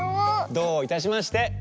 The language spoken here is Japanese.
どういたしまして。